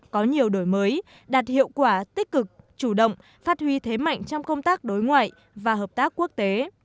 có nhiều đổi mới đạt hiệu quả tích cực chủ động phát huy thế mạnh trong công tác đối ngoại và hợp tác quốc tế